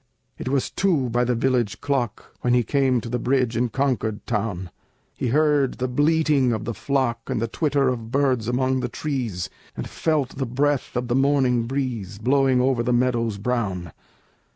It was two by the village clock When he came to the bridge in Concord town. He heard the bleating of the flock, And the twitter of birds among the trees, And felt the breath of the morning breeze Blowing over the meadows brown.